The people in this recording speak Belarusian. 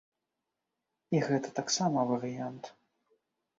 І гэта таксама варыянт.